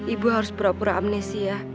ibu harus pura pura amnesia